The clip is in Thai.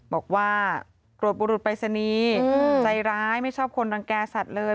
บอกว่าปรุษปริศนีใจร้ายไม่ชอบคนรังแกสัตว์เลย